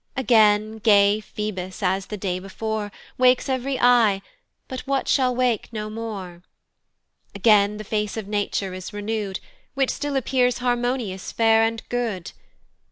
Again, gay Phoebus, as the day before, Wakes ev'ry eye, but what shall wake no more; Again the face of nature is renew'd, Which still appears harmonious, fair, and good.